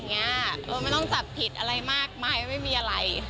ไม่ต้องจับผิดอะไรมากมายไม่มีอะไร